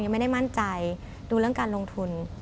ไม่ได้มั่นใจดูเรื่องการลงทุน